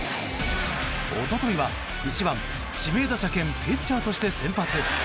一昨日は１番指名打者兼ピッチャーとして先発。